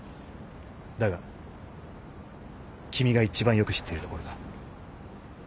だが君が一番よく知っているところだ。